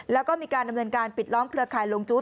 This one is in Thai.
แล้วก็มีการดำเนินการปิดล้อมเครือข่ายลุงจุ๊